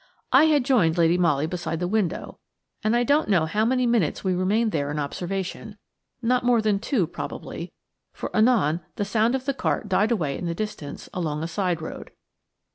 I had joined Lady Molly beside the window, and I don't know how many minutes we remained there in observation, not more than two probably, for anon the sound of the cart died away in the distance along a side road.